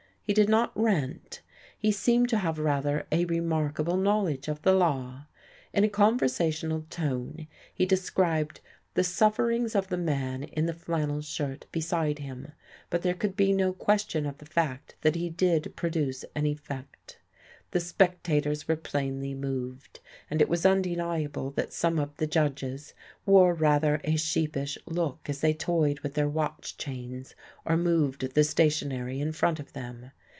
He did not rant. He seemed to have rather a remarkable knowledge of the law. In a conversational tone he described the sufferings of the man in the flannel shirt beside him, but there could be no question of the fact that he did produce an effect. The spectators were plainly moved, and it was undeniable that some of the judges wore rather a sheepish look as they toyed with their watch chains or moved the stationery in front of them.